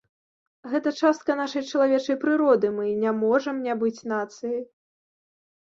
Гэта частка нашай чалавечай прыроды, мы не можам не быць нацыяй.